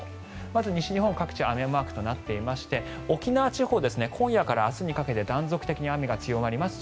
まず、西日本各地雨マークとなっていまして沖縄地方は今夜から明日にかけて断続的に雨が強まります。